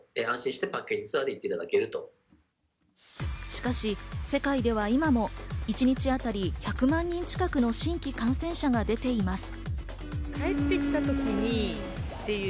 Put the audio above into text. しかし世界では今も一日当たり１００万人近くの新規感染者が出ています。